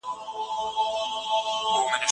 په رڼا پو ښلي حوري